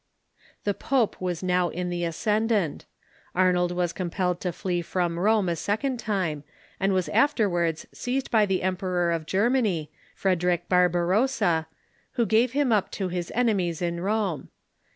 The pope Avas now in the ascendant. Arnold was compelled to flee from Rome a second time, and was afterwards seized by the Emperor of Germany, Frederic Barbarossa, who "^f n'"^'''id' g'lve him up to his enemies in Rome.